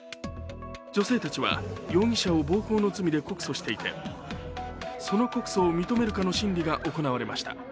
女性たちは容疑者を暴行の罪で告訴していて、その告訴を認めるかの審理が行われました。